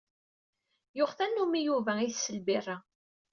Yuɣ tannumi Yuba itess lbirra.